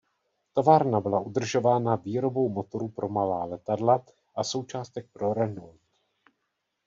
Továrna byla udržována výrobou motorů pro malá letadla a součástek pro Renault.